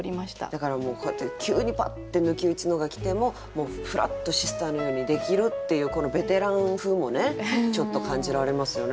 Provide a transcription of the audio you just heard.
だからもうこうやって急にパッて抜き打ちのが来てももうふらっとシスターのようにできるっていうこのベテラン風もねちょっと感じられますよね？